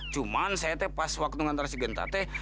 cuman saya teh pas waktu nganterin si genta teh